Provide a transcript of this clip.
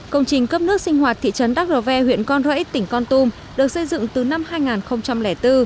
công trình cấp nước sinh hoạt thị trấn đắk rô ve huyện con rẫy tỉnh con tum được xây dựng từ năm hai nghìn bốn